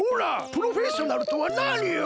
プロフェッショナルとはなによ！？